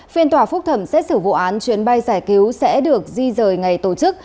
phiên tòa phúc thẩm xét xử vụ án chuyến bay giải cứu sẽ được di rời ngày tổ chức